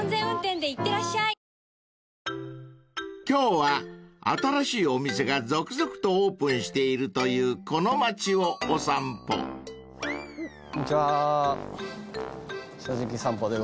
［今日は新しいお店が続々とオープンしているというこの街をお散歩］